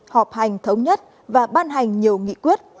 họp hành thống nhất và ban hành nhiều nghị quyết